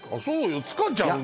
そうよ。